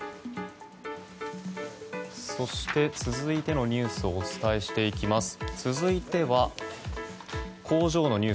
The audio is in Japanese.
続いてのニュースをお伝えしていきます。